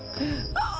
ああ。